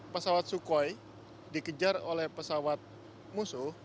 pesawat sukhoi dikejar oleh pesawat musuh